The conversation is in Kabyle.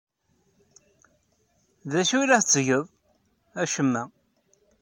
D acu ay la tettged? Acemma.